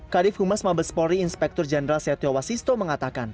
kadif humas mabespori inspektur jenderal setiawasisto mengatakan